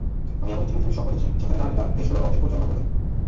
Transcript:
আমি এমন একটি পৃথিবীর স্বপ্ন দেখি, যেখানে নারীরা দেশগুলোর অর্ধেক পরিচালনা করবেন।